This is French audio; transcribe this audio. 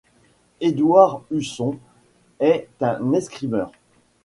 Édouard Husson est un escrimeur.